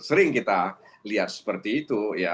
sering kita lihat seperti itu ya